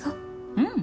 うん。